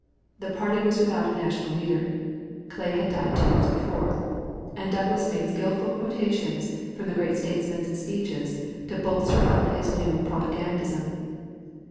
The party was without a national leader; Clay had died two years before, and Douglas made skillful quotations from the great statesman's speeches to bolster up his new propagandism.